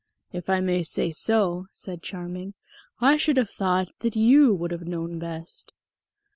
"If I may say so," said Charming, "I should have thought that you would have known best."